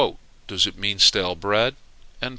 "Does it mean stale bread?"